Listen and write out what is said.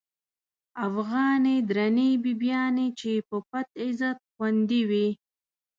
افغانی درنی بیبیانی، چی په پت عزت خوندی وی